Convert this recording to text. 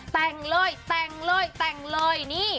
แต่งเลยแต่งเลยแต่งเลยนี่